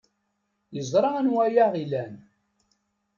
Yeẓra anwa ay aɣ-ilan.